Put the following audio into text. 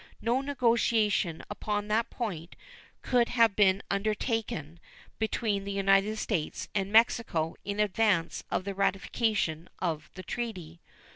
No negotiation upon that point could have been undertaken between the United States and Mexico in advance of the ratification of the treaty.